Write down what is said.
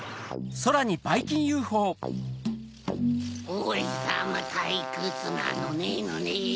オレさまたいくつなのねのね。